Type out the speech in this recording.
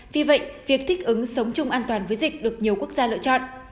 vì vậy việc thích ứng sống chung an toàn với dịch được nhiều quốc gia lựa chọn